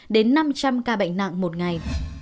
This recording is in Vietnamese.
tình huống có một trăm linh năm trăm linh ca bệnh nặng một ngày